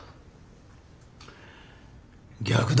逆だ。